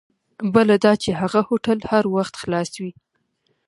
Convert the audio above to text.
بله دا چې هغه هوټل هر وخت خلاص وي.